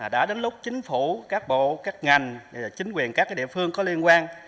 đã đến lúc chính phủ các bộ các ngành chính quyền các địa phương có liên quan